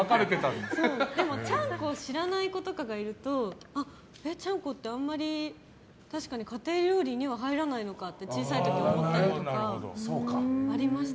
でも、ちゃんこを知らない子とかがいるとちゃんこって確かに家庭料理には入らないのかって小さい時は思ったりとかありました。